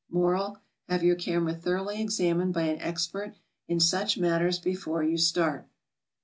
Moral: Have your camera thoroughly examined by an expert in such matters before you start.